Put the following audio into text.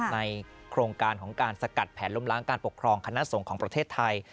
ในโครงการของการสกัดแผนล้มล้างการปกครองคณะสงฆ์ของประเทศไทย